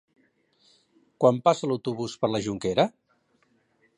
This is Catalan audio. Quan passa l'autobús per la Jonquera?